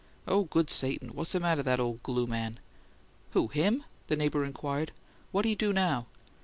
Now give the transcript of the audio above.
"Oh, good Satan! Wha'ssa matter that ole glue man?" "Who? Him?" the neighbour inquired. "What he do now?"